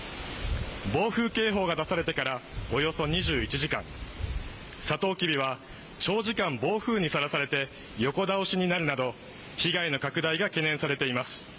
暴風警報が出されてからおよそ２１時間サトウキビは長時間、暴風にさらされて横倒しになるなど被害の拡大が懸念されています。